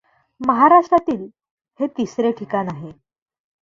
महाराष्ट्रातील हे तिसरे ठिकाण आहे.